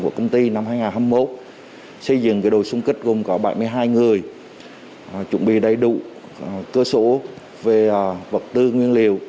của công ty năm hai nghìn hai mươi một xây dựng đội xung kích gồm có bảy mươi hai người chuẩn bị đầy đủ cơ số về vật tư nguyên liệu